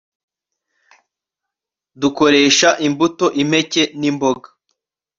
dukoresha imbuto impeke nimboga